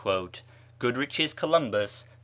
(Goodrich's "Columbus," p.